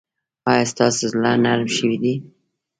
ایا ستاسو زړه نرم شوی دی؟